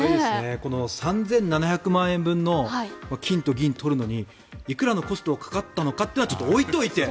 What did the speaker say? この３７００万円分の金と銀を取るのにいくらのコストがかかったのかはちょっと置いておいて。